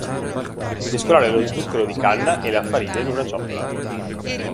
Mescolare lo zucchero di canna e la farina in una ciotola.